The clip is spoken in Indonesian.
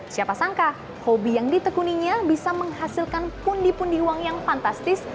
siapa sangka hobi yang ditekuninya bisa menghasilkan pundi pundi uang yang fantastis